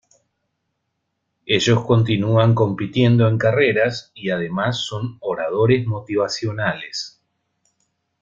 Ellos continúan compitiendo en carreras y además, son Oradores motivacionales.